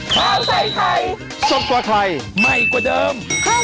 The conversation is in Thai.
ถ้าใส่ใครสอนตัวทัยไม่กว่าเดิม